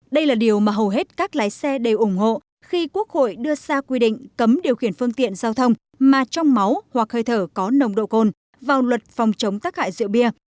đây là điều mà hầu hết các lái xe đều ủng hộ khi quốc hội đưa ra quy định cấm điều khiển phương tiện giao thông mà trong máu hoặc hơi thở có nồng độ cồn vào luật phòng chống tác hại rượu bia